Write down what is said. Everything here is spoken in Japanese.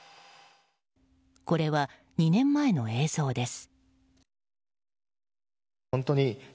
これは２年前の映像です。